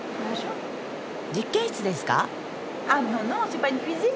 実験室ですか？